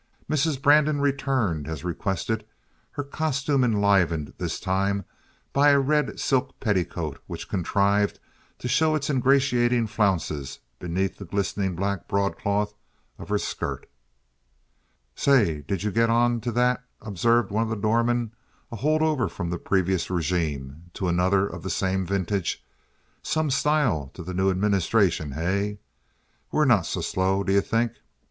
Mrs. Brandon returned, as requested, her costume enlivened this time by a red silk petticoat which contrived to show its ingratiating flounces beneath the glistening black broadcloth of her skirt. "Say, did you get on to that?" observed one of the doormen, a hold over from the previous regime, to another of the same vintage. "Some style to the new administration, hey? We're not so slow, do you think?"